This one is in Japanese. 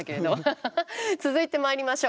続いてまいりましょう。